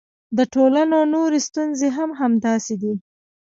د ټولنو نورې ستونزې هم همداسې دي.